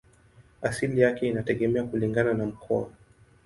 Asili yake inategemea kulingana na mkoa.